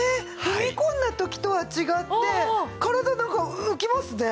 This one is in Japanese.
踏み込んだ時とは違って体なんか浮きますね。